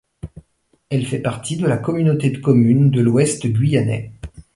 Elle fait partie de la communauté de communes de l'Ouest guyanais.